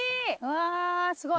わすごい。